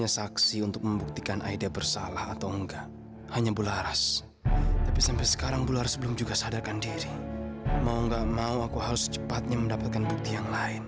sampai jumpa di video selanjutnya